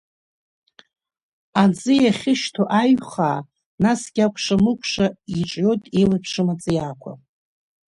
Аӡиа ахьышьҭоу аиҩхаа, насгьы акәшамыкәша иҿиоит еиуеиԥшым аҵиаақәа…